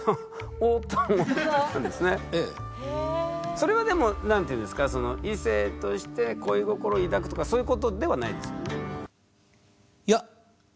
それはでも何ていうんですかその異性として恋心を抱くとかそういうことではないですよね？